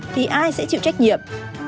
thì ai sẽ chịu trách nhiệm